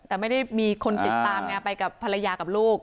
แต่ไม่ได้มีคนติดตามไงไปกับภรรยากับลูก